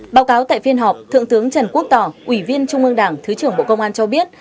báo cáo tại phiên họp thượng tướng trần quốc tỏ ủy viên trung ương đảng thứ trưởng bộ công an cho biết